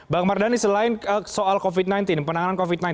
bang mardhani selain soal covid sembilan belas penanganan covid sembilan belas